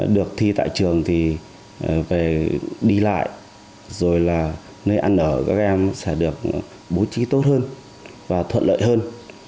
được thi tại trường thì về đi lại rồi là nơi ăn ở các em sẽ được bố trí tốt hơn và thuận lợi hơn